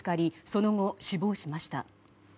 その後、死亡しました。